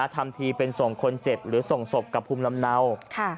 ทำทีเป็นส่งคนเจ็บหรือส่งศพกับภูมิลำเนา